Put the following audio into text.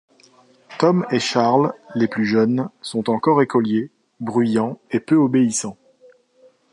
Tom et Charles, les plus jeunes, sont encore écoliers, bruyants et peu obéissants.